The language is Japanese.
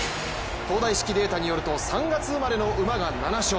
東大式データによると、３月生まれの馬が７勝。